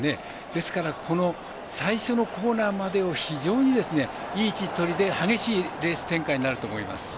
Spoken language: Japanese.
ですから、最初のコーナーまでを非常にいい位置取りで激しいレース展開になると思います。